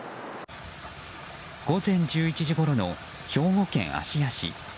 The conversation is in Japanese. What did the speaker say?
午前１１時ごろの兵庫県芦屋市。